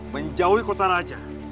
menjauhi kota raja